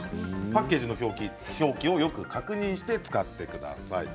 パッケージの表記をよく確認して使ってください。